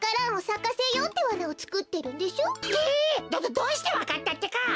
どどうしてわかったってか？